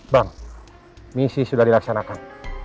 bang misi sudah dilaksanakan